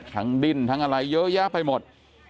ดิ้นทั้งอะไรเยอะแยะไปหมด